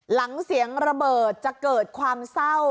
หลังเสียงระเบิดจะเกิดความเศร้า